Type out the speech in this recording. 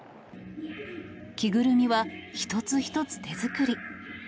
着ぐるみは一つ一つ手作り。